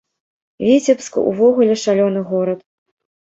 Віцебск увогуле шалёны горад.